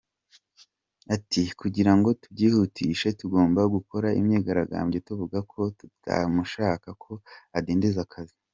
Ati kugirango tubyihutishe tugomba gukora imyigaragambyo tuvuga ko tutamushaka ko adindiza akazi.